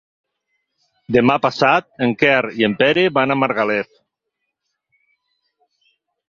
Demà passat en Quer i en Pere van a Margalef.